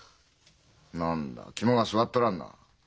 何だ肝が据わっとらんな。